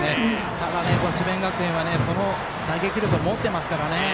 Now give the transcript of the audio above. ただ、智弁学園は打撃力を持っていますからね。